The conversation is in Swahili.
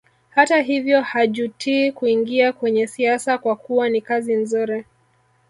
Hata hivyo hajutii kuingia kwenye siasa kwa kuwa ni kazi nzuri